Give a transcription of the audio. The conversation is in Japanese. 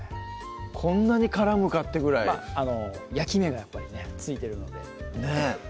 こんなに絡むかってぐらい焼き目がやっぱりついてるのでねぇ